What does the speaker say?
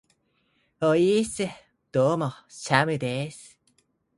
ｵｨｨｨｨｨｨｯｽ!どうもー、シャムでーす。